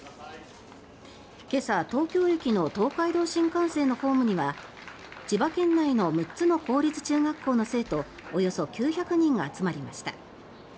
今朝、東京駅の東海道新幹線のホームには千葉県内の６つの公立中学校の生徒およそ９００人が集まりました。